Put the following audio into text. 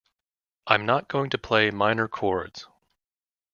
'I'm not going to play minor chords.